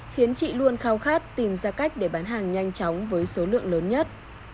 khiến chị luôn khao khát tìm ra cách để bán hàng nhanh chóng với số lượng lớn nhất